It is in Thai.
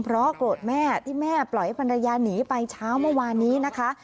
เพราะโกรธแม่ที่แม่ปล่อยให้ภรรยาหนีไปเช้าเมื่อวานนี้นะคะ